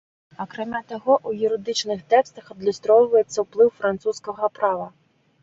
Акрамя таго, у юрыдычных тэкстах адлюстроўваецца ўплыў французскага права.